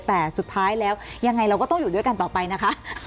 แต่สุดท้ายแล้วยังไงเราก็ต้องอยู่ด้วยกันต่อไปนะคะ